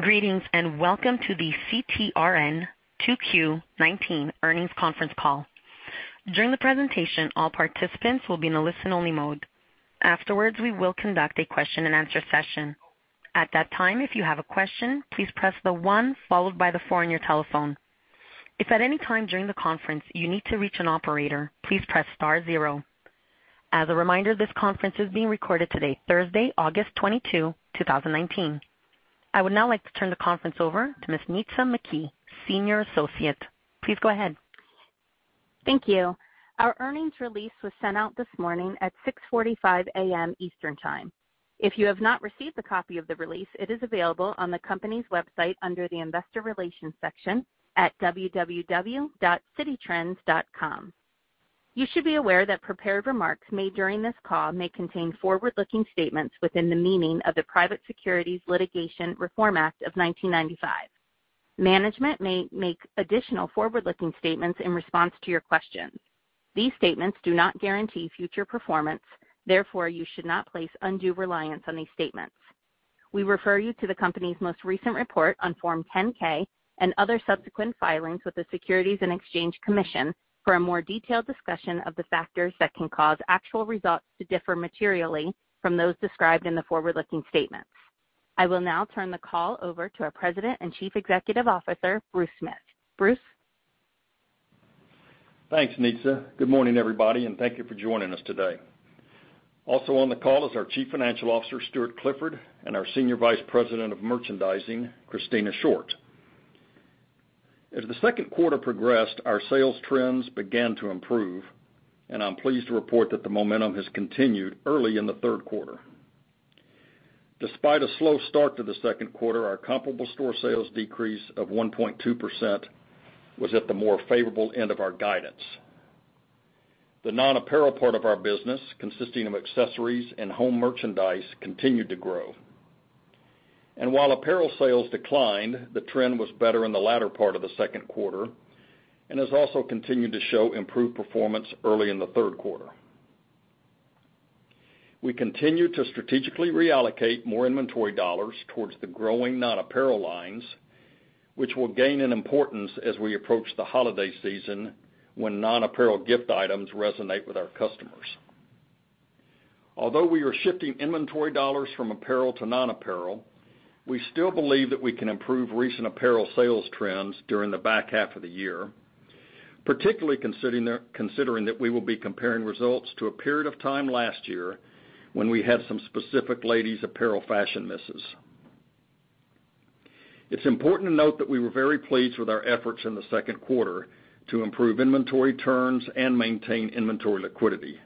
Greetings and welcome to the CTRN 2Q 2019 Earnings Conference Call. During the presentation, all participants will be in a listen-only mode. Afterwards, we will conduct a question-and-answer session. At that time, if you have a question, please press the one followed by the four on your telephone. If at any time during the conference you need to reach an operator, please press star zero. As a reminder, this conference is being recorded today, Thursday, August 22, 2019. I would now like to turn the conference over to Ms. Nitza McKee, Senior Associate. Please go ahead. Thank you. Our earnings release was sent out this morning at 6:45 A.M. Eastern Time. If you have not received a copy of the release, it is available on the company's website under the Investor Relations section at www.cititrends.com. You should be aware that prepared remarks made during this call may contain forward-looking statements within the meaning of the Private Securities Litigation Reform Act of 1995. Management may make additional forward-looking statements in response to your questions. These statements do not guarantee future performance; therefore, you should not place undue reliance on these statements. We refer you to the company's most recent report on Form 10-K and other subsequent filings with the Securities and Exchange Commission for a more detailed discussion of the factors that can cause actual results to differ materially from those described in the forward-looking statements. I will now turn the call over to our President and Chief Executive Officer, Bruce Smith. Bruce. Thanks, Nitza. Good morning, everybody, and thank you for joining us today. Also on the call is our Chief Financial Officer, Stuart Clifford, and our Senior Vice President of Merchandising, Christina Short. As the second quarter progressed, our sales trends began to improve, and I'm pleased to report that the momentum has continued early in the third quarter. Despite a slow start to the second quarter, our comparable store sales decrease of 1.2% was at the more favorable end of our guidance. The non-apparel part of our business, consisting of accessories and home merchandise, continued to grow. While apparel sales declined, the trend was better in the latter part of the second quarter and has also continued to show improved performance early in the third quarter. We continue to strategically reallocate more inventory dollars towards the growing non-apparel lines, which will gain in importance as we approach the holiday season when non-apparel gift items resonate with our customers. Although we are shifting inventory dollars from apparel to non-apparel, we still believe that we can improve recent apparel sales trends during the back half of the year, particularly considering that we will be comparing results to a period of time last year when we had some specific ladies' apparel fashion misses. It's important to note that we were very pleased with our efforts in the second quarter to improve inventory turns and maintain inventory liquidity.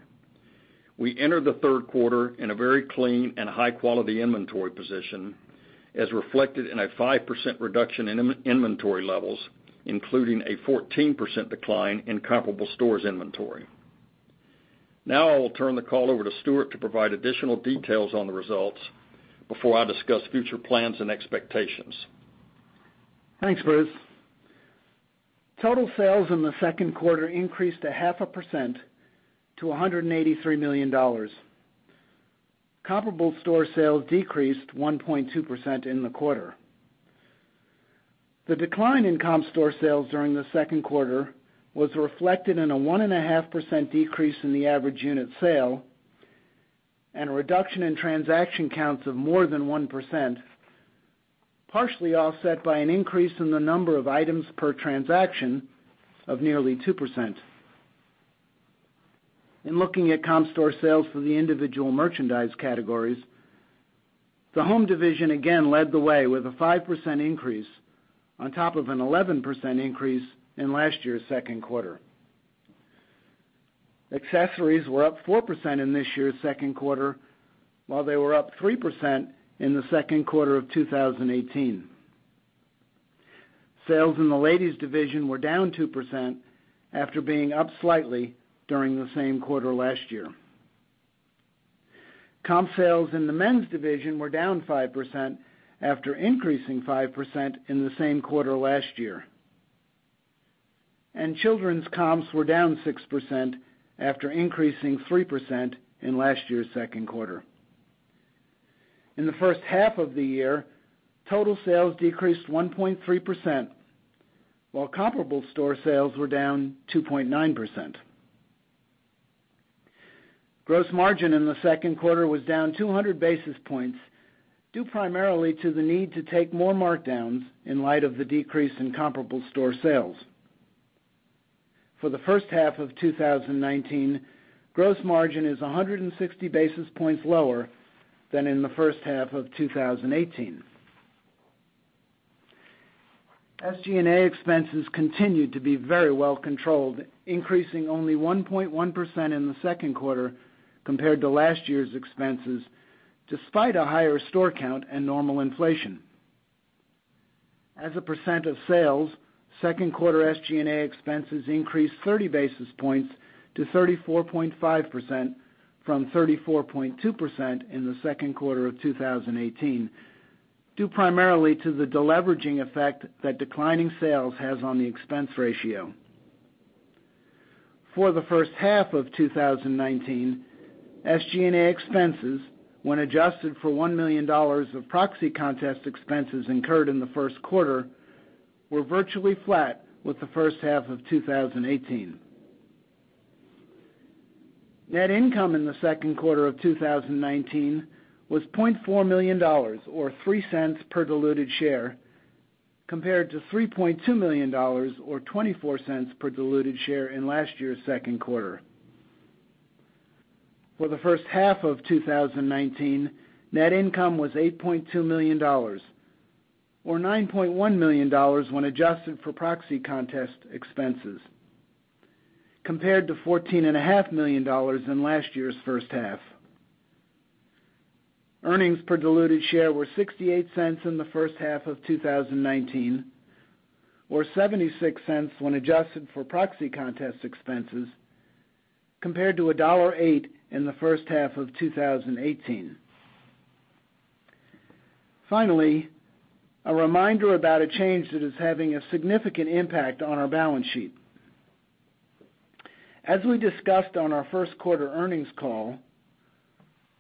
We entered the third quarter in a very clean and high-quality inventory position, as reflected in a 5% reduction in inventory levels, including a 14% decline in comparable stores' inventory. Now I will turn the call over to Stuart to provide additional details on the results before I discuss future plans and expectations. Thanks, Bruce. Total sales in the second quarter increased a half a percent to $183 million. Comparable store sales decreased 1.2% in the quarter. The decline in comp store sales during the second quarter was reflected in a one and a half percent decrease in the average unit sale and a reduction in transaction counts of more than 1%, partially offset by an increase in the number of items per transaction of nearly 2%. In looking at comp store sales for the individual merchandise categories, the home division again led the way with a 5% increase on top of an 11% increase in last year's second quarter. Accessories were up 4% in this year's second quarter, while they were up 3% in the second quarter of 2018. Sales in the ladies' division were down 2% after being up slightly during the same quarter last year. Comp sales in the men's division were down 5% after increasing 5% in the same quarter last year. Children's comps were down 6% after increasing 3% in last year's second quarter. In the first half of the year, total sales decreased 1.3%, while comparable store sales were down 2.9%. Gross margin in the second quarter was down 200 basis points due primarily to the need to take more markdowns in light of the decrease in comparable store sales. For the first half of 2019, gross margin is 160 basis points lower than in the first half of 2018. SG&A expenses continued to be very well controlled, increasing only 1.1% in the second quarter compared to last year's expenses, despite a higher store count and normal inflation. As a percent of sales, second quarter SG&A expenses increased 30 basis points to 34.5% from 34.2% in the second quarter of 2018, due primarily to the deleveraging effect that declining sales has on the expense ratio. For the first half of 2019, SG&A expenses, when adjusted for $1 million of proxy contest expenses incurred in the first quarter, were virtually flat with the first half of 2018. Net income in the second quarter of 2019 was $0.4 million, or $0.3 per diluted share, compared to $3.2 million, or $0.24 per diluted share in last year's second quarter. For the first half of 2019, net income was $8.2 million, or $9.1 million when adjusted for proxy contest expenses, compared to $14.5 million in last year's first half. Earnings per diluted share were $0.68 in the first half of 2019, or $0.76 when adjusted for proxy contest expenses, compared to $1.08 in the first half of 2018. Finally, a reminder about a change that is having a significant impact on our balance sheet. As we discussed on our first quarter earnings call,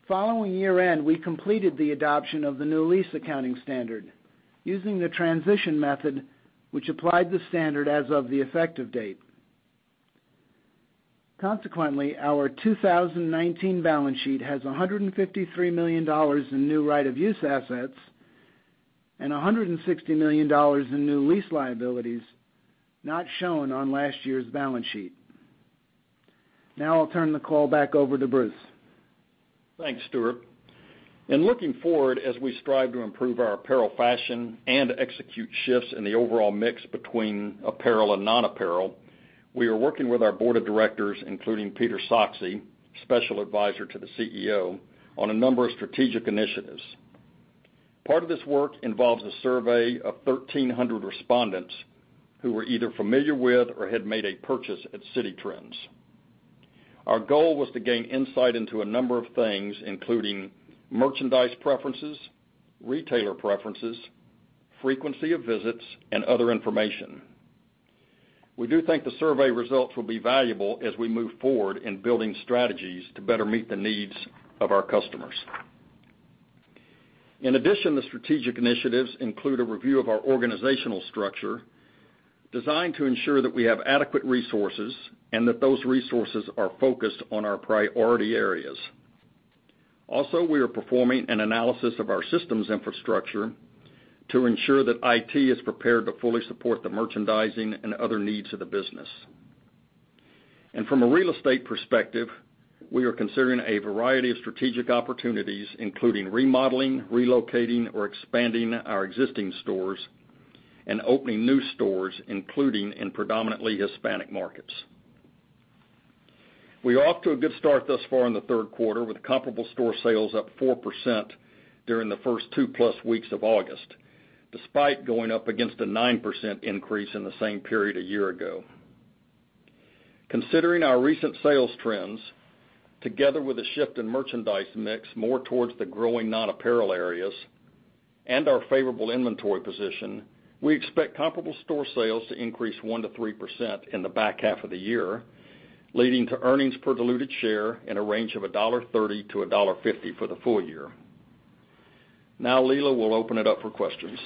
following year-end, we completed the adoption of the new lease accounting standard using the transition method, which applied the standard as of the effective date. Consequently, our 2019 balance sheet has $153 million in new right-of-use assets and $160 million in new lease liabilities not shown on last year's balance sheet. Now I'll turn the call back over to Bruce. Thanks, Stuart. In looking forward, as we strive to improve our apparel fashion and execute shifts in the overall mix between apparel and non-apparel, we are working with our board of directors, including Peter Sachse, Special Advisor to the CEO, on a number of strategic initiatives. Part of this work involves a survey of 1,300 respondents who were either familiar with or had made a purchase at Citi Trends. Our goal was to gain insight into a number of things, including merchandise preferences, retailer preferences, frequency of visits, and other information. We do think the survey results will be valuable as we move forward in building strategies to better meet the needs of our customers. In addition, the strategic initiatives include a review of our organizational structure designed to ensure that we have adequate resources and that those resources are focused on our priority areas. Also, we are performing an analysis of our systems infrastructure to ensure that IT is prepared to fully support the merchandising and other needs of the business. From a real estate perspective, we are considering a variety of strategic opportunities, including remodeling, relocating, or expanding our existing stores and opening new stores, including in predominantly Hispanic markets. We are off to a good start thus far in the third quarter, with comparable store sales up 4% during the first two-plus weeks of August, despite going up against a 9% increase in the same period a year ago. Considering our recent sales trends, together with a shift in merchandise mix more towards the growing non-apparel areas and our favorable inventory position, we expect comparable store sales to increase 1-3% in the back half of the year, leading to earnings per diluted share in a range of $1.30-$1.50 for the full year. Now, Lila, we'll open it up for questions.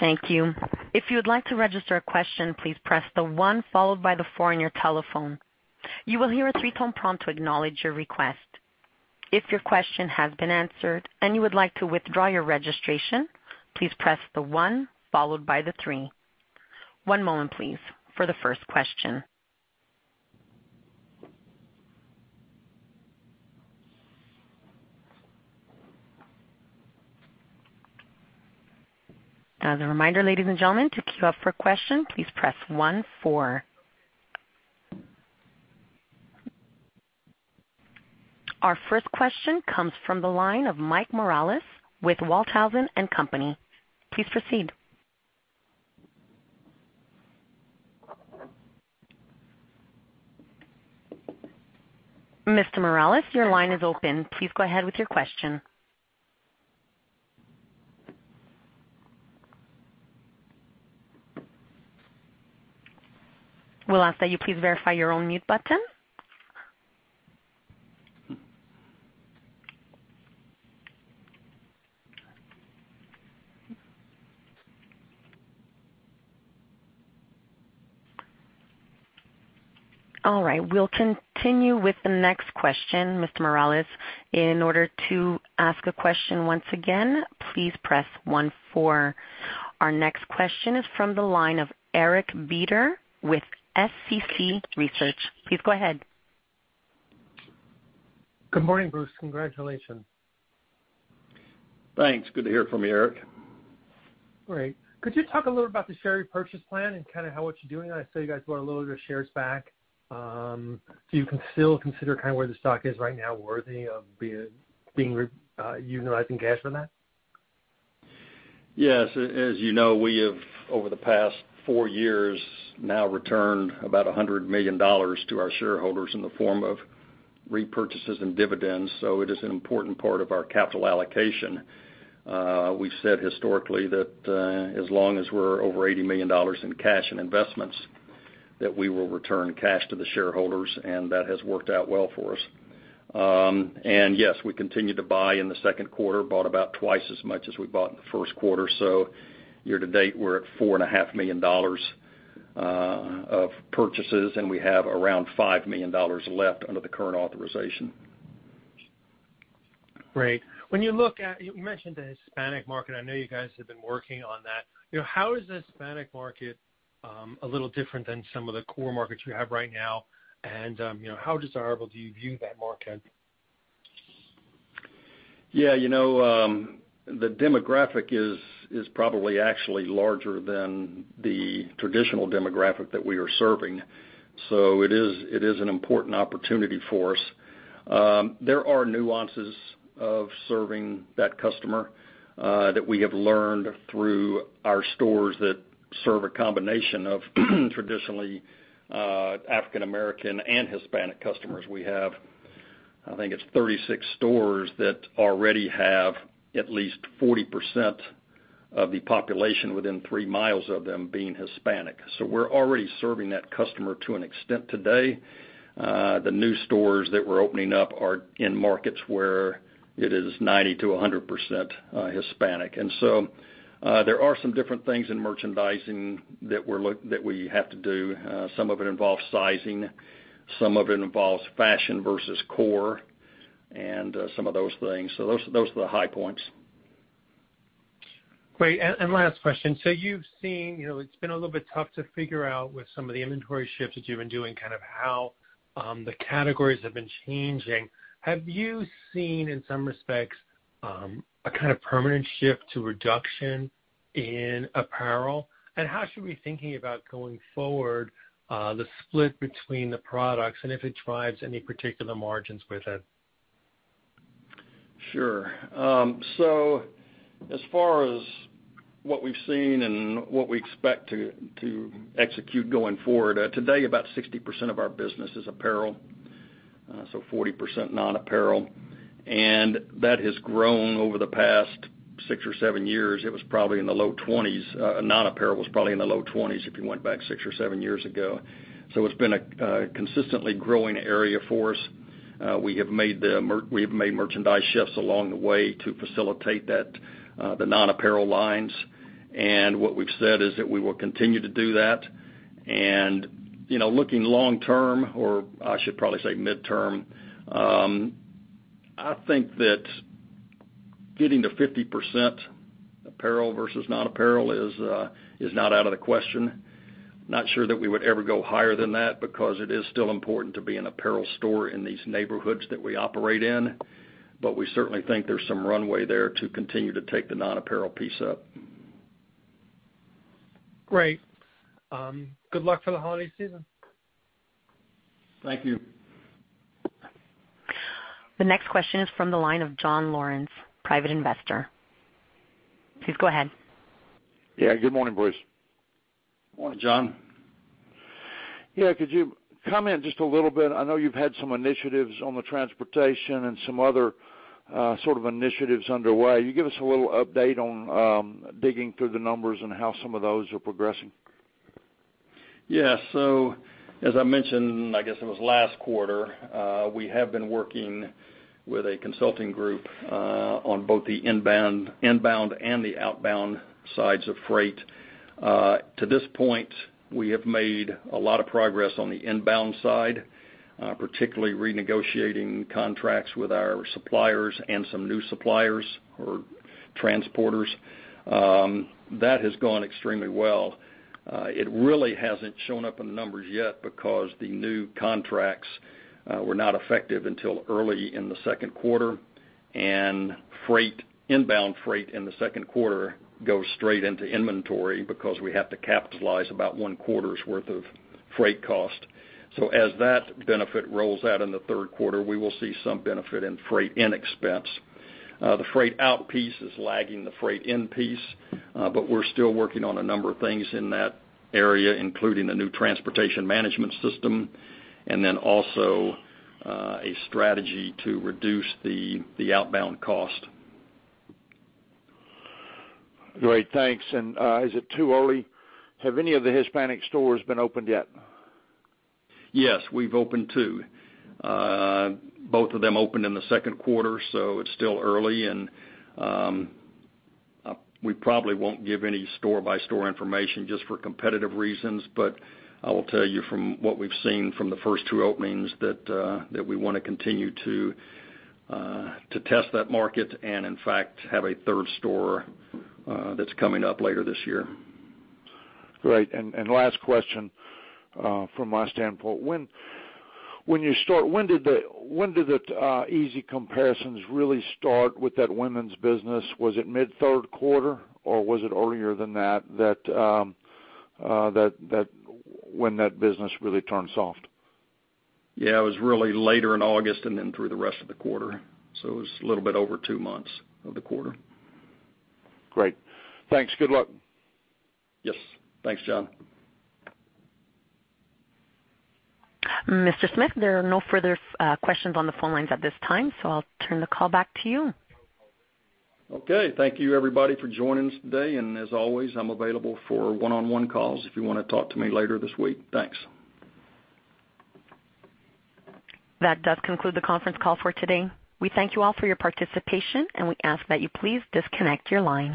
Thank you. If you would like to register a question, please press the one followed by the four on your telephone. You will hear a three-tone prompt to acknowledge your request. If your question has been answered and you would like to withdraw your registration, please press the one followed by the three. One moment, please, for the first question. As a reminder, ladies and gentlemen, to queue up for a question, please press one four. Our first question comes from the line of Mike Morales with Walthausen & Co. Please proceed. Mr. Morales, your line is open. Please go ahead with your question. We'll ask that you please verify your own mute button. All right. We'll continue with the next question, Mr. Morales. In order to ask a question once again, please press one four. Our next question is from the line of Eric Beder with SCC Research. Please go ahead. Good morning, Bruce. Congratulations. Thanks. Good to hear from you, Eric. Great. Could you talk a little about the share repurchase plan and kind of how what you're doing? I see you guys bought a little bit of shares back. Do you still consider kind of where the stock is right now worthy of utilizing cash for that? Yes. As you know, we have, over the past four years, now returned about $100 million to our shareholders in the form of repurchases and dividends. It is an important part of our capital allocation. We've said historically that as long as we're over $80 million in cash and investments, that we will return cash to the shareholders, and that has worked out well for us. Yes, we continue to buy in the second quarter, bought about twice as much as we bought in the first quarter. Year to date, we're at $4.5 million of purchases, and we have around $5 million left under the current authorization. Great. When you look at you mentioned the Hispanic market. I know you guys have been working on that. How is the Hispanic market a little different than some of the core markets you have right now? How desirable do you view that market? Yeah. The demographic is probably actually larger than the traditional demographic that we are serving. So it is an important opportunity for us. There are nuances of serving that customer that we have learned through our stores that serve a combination of traditionally African American and Hispanic customers. We have, I think it's 36 stores that already have at least 40% of the population within three miles of them being Hispanic. So we're already serving that customer to an extent today. The new stores that we're opening up are in markets where it is 90-100% Hispanic. And so there are some different things in merchandising that we have to do. Some of it involves sizing. Some of it involves fashion versus core and some of those things. So those are the high points. Great. Last question. You have seen it has been a little bit tough to figure out with some of the inventory shifts that you have been doing, kind of how the categories have been changing. Have you seen, in some respects, a kind of permanent shift to reduction in apparel? How should we be thinking about going forward, the split between the products and if it drives any particular margins with it? Sure. As far as what we've seen and what we expect to execute going forward, today, about 60% of our business is apparel, so 40% non-apparel. That has grown over the past six or seven years. It was probably in the low 20's. Non-apparel was probably in the low 20's if you went back six or seven years ago. It has been a consistently growing area for us. We have made merchandise shifts along the way to facilitate the non-apparel lines. What we've said is that we will continue to do that. Looking long-term, or I should probably say midterm, I think that getting to 50% apparel versus non-apparel is not out of the question. Not sure that we would ever go higher than that because it is still important to be an apparel store in these neighborhoods that we operate in. We certainly think there's some runway there to continue to take the non-apparel piece up. Great. Good luck for the holiday season. Thank you. The next question is from the line of John Lawrence, private investor. Please go ahead. Yeah. Good morning, Bruce. Morning, John. Yeah. Could you comment just a little bit? I know you've had some initiatives on the transportation and some other sort of initiatives underway. Can you give us a little update on digging through the numbers and how some of those are progressing? Yeah. As I mentioned, I guess it was last quarter, we have been working with a consulting group on both the inbound and the outbound sides of freight. To this point, we have made a lot of progress on the inbound side, particularly renegotiating contracts with our suppliers and some new suppliers or transporters. That has gone extremely well. It really has not shown up in the numbers yet because the new contracts were not effective until early in the second quarter. Inbound freight in the second quarter goes straight into inventory because we have to capitalize about one quarter's worth of freight cost. As that benefit rolls out in the third quarter, we will see some benefit in freight in expense. The freight out piece is lagging the freight in piece, but we're still working on a number of things in that area, including a new transportation management system and then also a strategy to reduce the outbound cost. Great. Thanks. Is it too early? Have any of the Hispanic stores been opened yet? Yes. We've opened two. Both of them opened in the second quarter, so it's still early. We probably won't give any store-by-store information just for competitive reasons. I will tell you from what we've seen from the first two openings that we want to continue to test that market and, in fact, have a third store that's coming up later this year. Great. Last question from my standpoint. When did the easy comparisons really start with that women's business? Was it mid-third quarter, or was it earlier than that when that business really turned soft? Yeah. It was really later in August and then through the rest of the quarter. It was a little bit over two months of the quarter. Great. Thanks. Good luck. Yes. Thanks, John. Mr. Smith, there are no further questions on the phone lines at this time, so I'll turn the call back to you. Thank you, everybody, for joining us today. As always, I'm available for one-on-one calls if you want to talk to me later this week. Thanks. That does conclude the conference call for today. We thank you all for your participation, and we ask that you please disconnect your line.